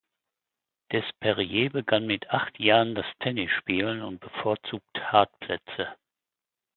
Desperrier begann mit acht Jahren das Tennisspielen und bevorzugt Hartplätze.